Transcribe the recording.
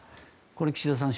これ岸田さん